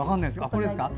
これですか。